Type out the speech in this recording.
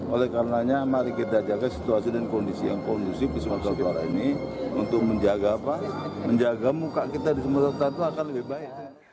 oleh karenanya mari kita jaga situasi dan kondisi yang kondusif di sumatera utara ini untuk menjaga muka kita di sumatera utara itu akan lebih baik